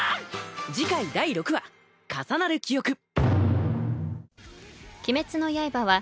次回第六話「重なる記憶」